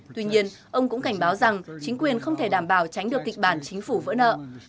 tuy nhiên ông cũng cảnh báo rằng chính quyền không thể đảm bảo tránh được kịch bản chính phủ vỡ nợ